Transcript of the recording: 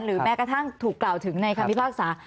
แม้กระทั่งถูกกล่าวถึงในคำพิพากษา